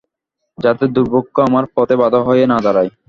যাতে দুর্ভাগ্য আমার পথে বাঁধা হয়ে না দাঁড়ায়।